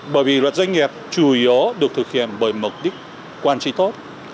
bởi vì luật doanh nghiệp chủ yếu được thực hiện bởi mục đích quản trị tốt